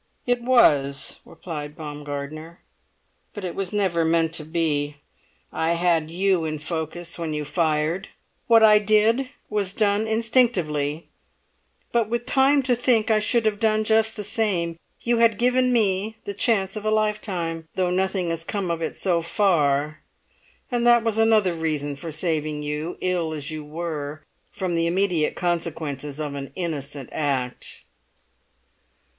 "It was," replied Baumgartner; "but it was never meant to be. I had you in focus when you fired. What I did was done instinctively, but with time to think I should have done just the same. You had given me the chance of a lifetime, though nothing has come of it so far. And that was another reason for saving you, ill as you were, from the immediate consequences of an innocent act."